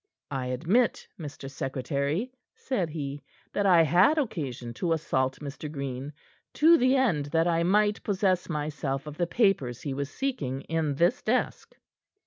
"I admit, Mr. Secretary," said he, "that I had occasion to assault Mr. Green, to the end that I might possess myself of the papers he was seeking in this desk."